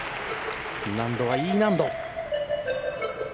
難度はＥ難度。